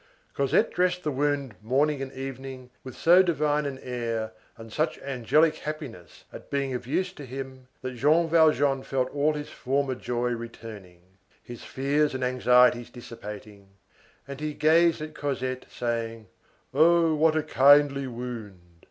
Cosette dressed the wound morning and evening with so divine an air and such angelic happiness at being of use to him, that Jean Valjean felt all his former joy returning, his fears and anxieties dissipating, and he gazed at Cosette, saying: "Oh! what a kindly wound!